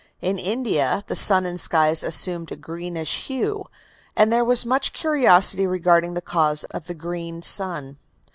In India the sun and skies assumed a greenish hue, and there was much curiosity regarding the cause of the "green sun."